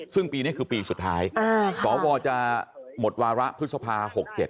ซึ่งปีนี้คือปีสุดท้ายสวจะหมดวาระพฤษภา๖๗